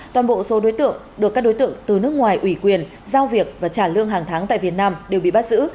toàn bộ số đối tượng được các đối tượng từ nước ngoài ủy quyền giao việc và trả lương hàng tháng tại việt nam đều bị bắt giữ